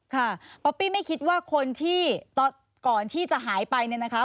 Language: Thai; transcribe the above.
ป๊อปปี้ไม่คิดว่าคนที่ก่อนที่จะหายไปเนี่ยนะคะ